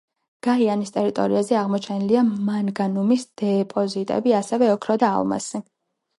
გაიანის ტერიტორიაზე აღმოჩენილია მანგანუმის დეპოზიტები, ასევე ოქრო და ალმასი.